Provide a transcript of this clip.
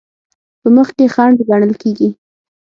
په مخ کې خنډ ګڼل کیږي.